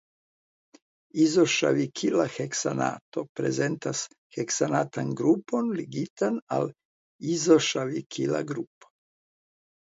Izoŝavikila heksanato prezentas heksanatan grupon ligitan al izoŝavikila grupo.